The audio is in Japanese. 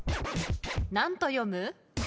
何と読む？